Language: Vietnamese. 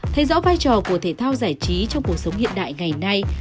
thay dõi vai trò của thể thao giải trí trong cuộc sống hiện đại ngày nay